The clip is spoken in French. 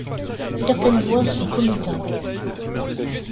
Certaines voies sont commutables.